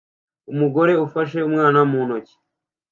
Umugore ufashe umwana mu ntoki